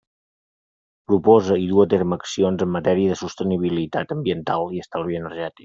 Proposa i duu a terme accions en matèria de sostenibilitat ambiental i estalvi energètic.